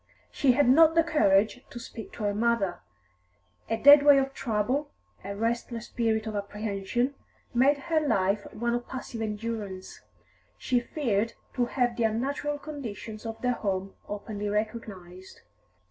She had not the courage to speak to her mother; a deadweight of trouble, a restless spirit of apprehension, made her life one of passive endurance; she feared to have the unnatural conditions of their home openly recognised.